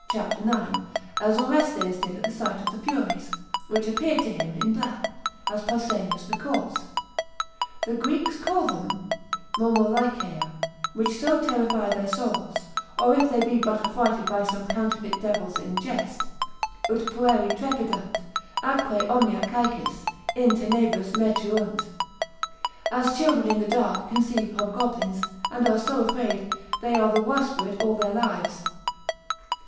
cap. 9. as Orestes did at the sight of the Furies, which appeared to him in black (as Pausanias records). The Greeks call them μορμολύχεια, which so terrify their souls, or if they be but affrighted by some counterfeit devils in jest, ———ut pueri trepidant, atque omnia caecis In tenebris metuunt——— as children in the dark conceive hobgoblins, and are so afraid, they are the worse for it all their lives.